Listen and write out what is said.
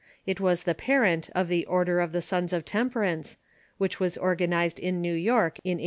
It was the parent of the Order of the Sons of Temperance, which was organized in New York in 1842.